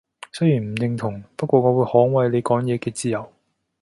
雖然唔認同，不過我會捍衛你講嘢嘅自由